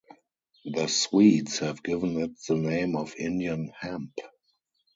The Swedes have given it the name of Indian hemp.